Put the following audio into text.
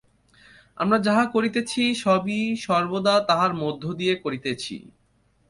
আমরা যাহা করিতেছি, সবই সর্বদা তাঁহারই মধ্য দিয়া করিতেছি।